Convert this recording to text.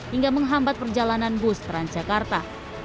hingga menghambat perjalanan bus transjakarta